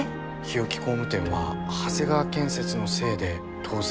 日置工務店は長谷川建設のせいで倒産したのかも。